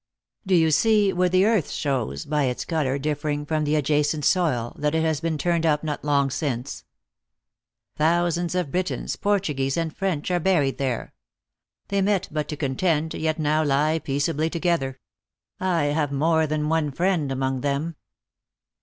" Do you see where the earth shows, by its color differing from the adjacent soil, that it has been turned up not long since ? Thousands of Britons, Portuguese, and French are buried there. They met but to contend, yet now lie peaceably together. I have more than one friend among them."